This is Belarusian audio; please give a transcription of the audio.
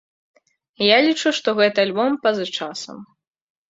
Я лічу, што гэты альбом па-за часам.